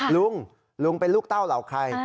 ลุงลุงเป็นลูกเต้าเหล่าใคร